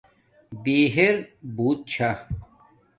بِہر بُوت چھݳ